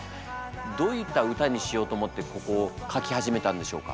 どういった歌にしようと思ってここ書き始めたんでしょうか？